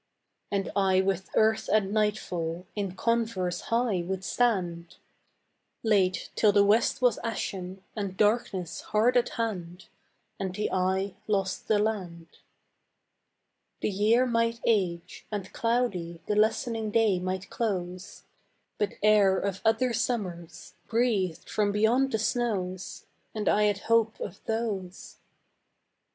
And I with earth and nightfall In converse high would stand, Late, till the west was ashen And darkness hard at hand, And the eye lost the land. The year might age, and cloudy The lessening day might close, But air of other summers Breathed from beyond the snows, And I had hope of those.